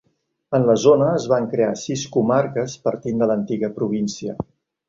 En la zona, es van crear sis comarques partint de l'antiga província.